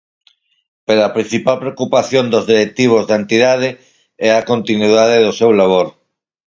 Pero a principal preocupación dos directivos da entidade é a continuidade do seu labor.